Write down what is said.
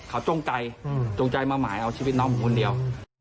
เขาจงใจจงใจมาหมายเอาชีวิตน้องผมคนเดียว